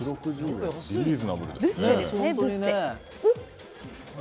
ブッセですね。